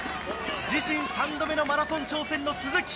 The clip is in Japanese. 自身３度目のマラソン挑戦の鈴木。